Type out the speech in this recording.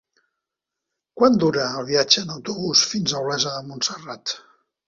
Quant dura el viatge en autobús fins a Olesa de Montserrat?